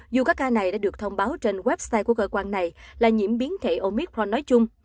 dù các ca này đã được thông báo trên website của cơ quan này là nhiễm biến thể omicron nói chung